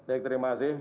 oke terima kasih